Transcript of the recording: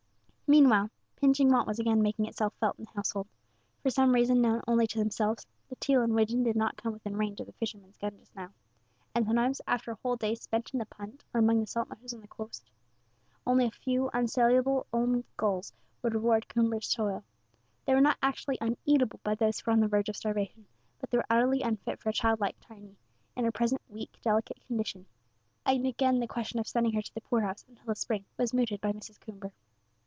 Meanwhile pinching want was again making itself felt in the household. For some reason known only to themselves, the teal and widgeon did not come within range of the fisherman's gun just now; and sometimes, after a whole day spent in the punt, or among the salt marshes along the coast, only a few unsaleable old gulls would reward Coomber's toil. They were not actually uneatable by those who were on the verge of starvation; but they were utterly unfit for a child like Tiny, in her present weak, delicate condition; and again the question of sending her to the poorhouse until the spring was mooted by Mrs. Coomber.